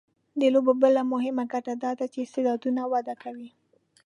د لوبو بله مهمه ګټه دا ده چې استعدادونه وده کوي.